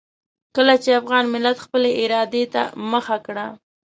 کله چې افغان ملت خپلې ارادې ته مخه کړه.